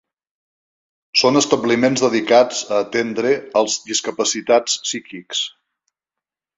Són establiments dedicats a atendre als discapacitats psíquics.